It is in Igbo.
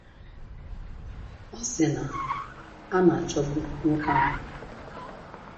Ọ sị na a na-achọbu nwoke ahụ